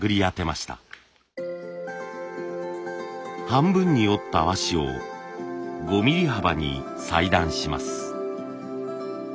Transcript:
半分に折った和紙を５ミリ幅に裁断します。